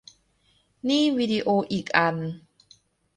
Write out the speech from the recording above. นี่วิดีโออีกอัน